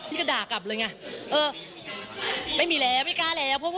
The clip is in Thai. ก็ด่ากลับเลยไงเออไม่มีแล้วไม่กล้าแล้ว